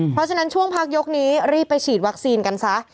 เพราะฉะนั้นช่วงพักยกนี้รีบไปฉีดวัคซีนกันซะ